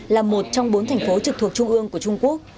là một trong bốn thành phố trực thuộc trung ương của trung quốc